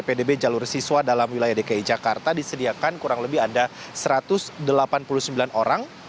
pdb jalur siswa dalam wilayah dki jakarta disediakan kurang lebih ada satu ratus delapan puluh sembilan orang